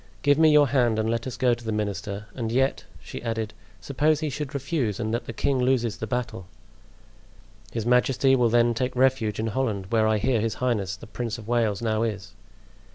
Give me your hand and let us go to the minister; and yet," she added, "suppose he should refuse and that the king loses the battle?" "His majesty will then take refuge in Holland, where I hear his highness the Prince of Wales now is."